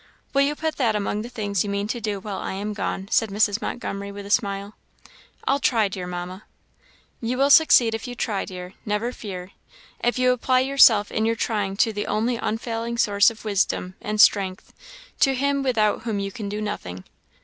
Will you put that among the things you mean to do while I am gone?" said Mrs. Montgomery, with a smile. "I'll try, dear Mamma." "You will succeed if you try, dear, never fear if you apply yourself in your trying to the only unfailing source of wisdom and strength to Him without whom you can do nothing."